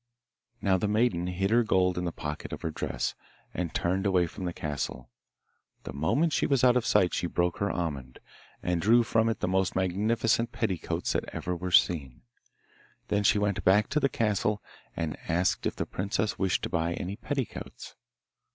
Now the maiden hid her gold in the pocket of her dress, and turned away from the castle. The moment she was out of sight she broke her almond, and drew from it the most magnificent petticoats that ever were seen. Then she went back to the castle, and asked if the princess wished to buy any petticoats.